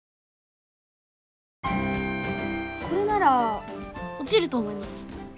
これなら落ちると思います！